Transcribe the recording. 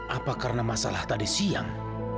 apa karena masalah tadi siang